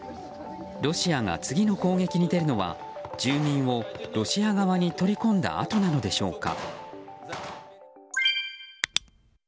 ロシアが次の攻撃に出るのは住民をロシア側に取り込んだあとなのでしょうか。